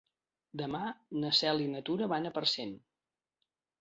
Demà na Cel i na Tura van a Parcent.